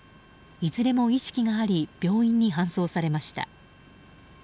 いずれも意識があり病院に搬送されました。